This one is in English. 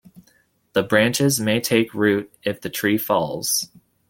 The branches may take root if the tree falls.